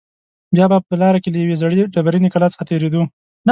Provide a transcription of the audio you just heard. بیا به په لاره کې له یوې زړې ډبرینې کلا څخه تېرېدو.